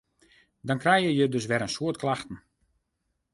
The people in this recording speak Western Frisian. Dan krije je dus wer in soad klachten.